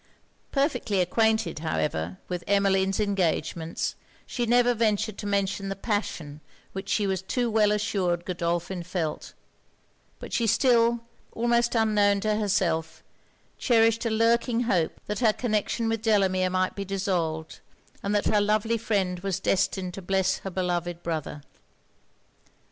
Perfectly acquainted, however, with Emmeline's engagements, she never ventured to mention the passion which she was too well assured Godolphin felt; but she still, almost unknown to herself, cherished a lurking hope that her connection with Delamere might be dissolved, and that her lovely friend was destined to bless her beloved brother.